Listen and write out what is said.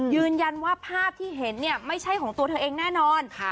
ยืนยันว่าภาพที่เห็นเนี่ยไม่ใช่ของตัวเธอเองแน่นอน